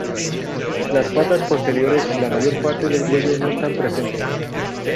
Las patas posteriores y la mayor parte del cuello no están presentes.